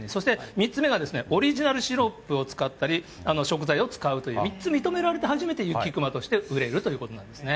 ３つ目がオリジナルシロップを使ったり、食材を使うという３つ認められて、初めて雪くまとして売れるということなんですね。